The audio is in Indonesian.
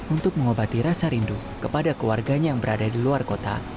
untuk mengobati rasa rindu kepada keluarganya yang berada di luar kota